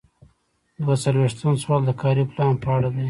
دوه څلویښتم سوال د کاري پلان په اړه دی.